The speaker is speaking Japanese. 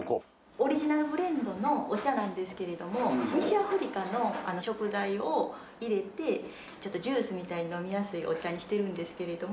オリジナルブレンドのお茶なんですけれども西アフリカの食材を入れてちょっとジュースみたいに飲みやすいお茶にしてるんですけれども。